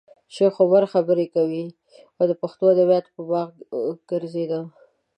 شیخ عمر خبرې کولې او زه د پښتو ادبیاتو په باغ کې ګرځېدم.